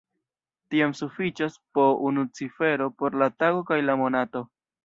Tiam sufiĉas po unu cifero por la tago kaj la monato.